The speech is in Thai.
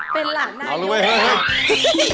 เป็นหลานนายก